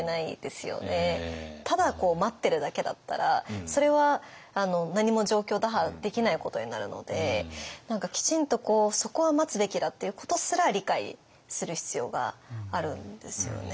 ただ待ってるだけだったらそれは何も状況打破できないことになるので何かきちんとそこは待つべきだっていうことすら理解する必要があるんですよね。